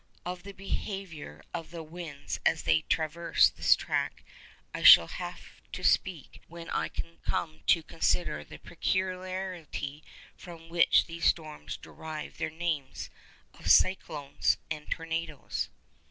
Of the behaviour of the winds as they traverse this track, I shall have to speak when I come to consider the peculiarity from which these storms derive their names of 'cyclones' and tornadoes.